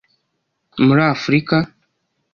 muri Afurika